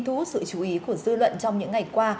thú sự chú ý của dư luận trong những ngày qua